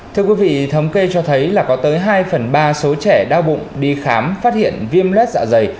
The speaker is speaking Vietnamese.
thưa quý vị thống kê cho thấy là có tới hai phần ba số trẻ đau bụng đi khám phát hiện viêm lết dạ dày